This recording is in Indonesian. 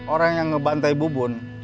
orang yang ngebantai bubun